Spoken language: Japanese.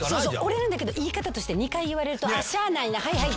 折れるんだけど言い方として２回言われると「しゃあないなはいはい」